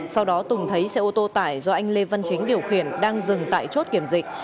sau đó tùng thấy xe ô tô tải do anh lê văn chính điều khiển đang dừng tại chốt kiểm dịch